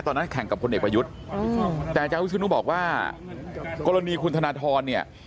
ตอนนั้นแข่งกับคนเอกประยุทธแต่จังหวิศนุบอกว่ากรณีคุณธนทรเนี่ย